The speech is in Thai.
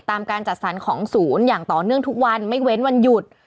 การจัดสรรของศูนย์อย่างต่อเนื่องทุกวันไม่เว้นวันหยุด